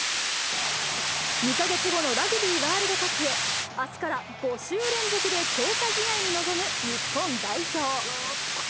２か月後のラグビーワールドカップへ、あすから５週連続で強化試合に臨む日本代表。